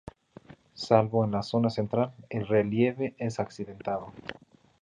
Salvo en la zona central, el relieve es accidentado.